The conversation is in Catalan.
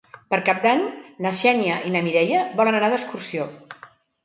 Per Cap d'Any na Xènia i na Mireia volen anar d'excursió.